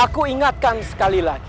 aku ingatkan sekali lagi